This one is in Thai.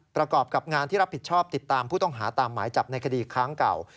ประกอบกับงานที่รับผิดชอบติดตามผู้ต้องหาตามหมายจับในคดีค้างเก่า